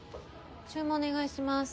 注文お願いします。